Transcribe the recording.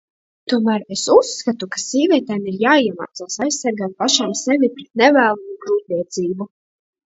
Tomēr es uzskatu, ka sievietēm ir jāiemācās aizsargāt pašām sevi pret nevēlamu grūtniecību.